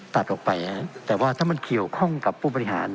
ตัดออกไปแต่ว่าถ้ามันเกี่ยวข้องกับผู้บริหาร